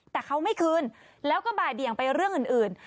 แต่เขาไม่คืนแล้วก็บ่ายเบี่ยงไปเรื่องอื่น